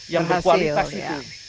yang berkualitas itu